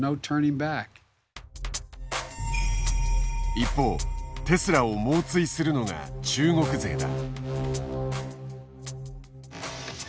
一方テスラを猛追するのが中国勢だ。